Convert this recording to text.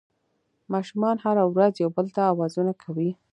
ماشومان هره ورځ یو بل ته اوازونه کوي